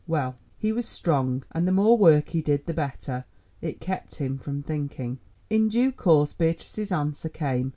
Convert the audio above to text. Well, he was strong and the more work he did the better—it kept him from thinking. In due course Beatrice's answer came.